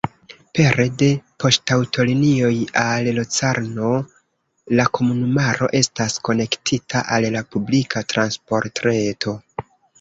Pere de poŝtaŭtolinioj al Locarno la komunumaro estas konektita al la publika transportreto.